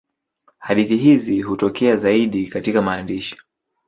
Hadithi hizi hutokea zaidi katika maandishi.